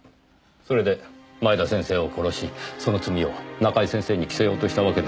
それで前田先生を殺しその罪を中井先生に着せようとしたわけですね？